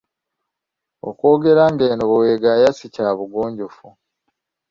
Okw'ogera ng'eno bwe weegaaya, si kya bugunjufu.